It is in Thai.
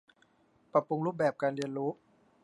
ปรับปรุงรูปแบบการเรียนรู้